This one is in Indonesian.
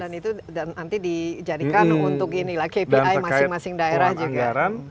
dan itu nanti dijadikan untuk kpi masing masing daerah juga